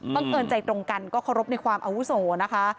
เอิญใจตรงกันก็เคารพในความอาวุโสนะคะ